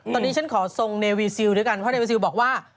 ตอนนี้ฉันขอทรงเนวีซิลด้วยกันเพราะเนวีซิลบอกว่า